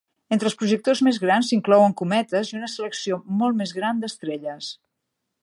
Entre els projectors més grans s'inclouen cometes i una selecció molt més gran d'estrelles.